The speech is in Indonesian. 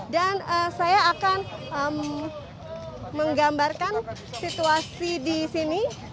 dan saya akan menggambarkan situasi di sini